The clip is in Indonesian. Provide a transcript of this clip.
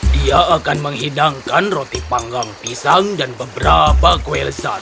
dia akan menghidangkan roti panggang pisang dan beberapa kue lezat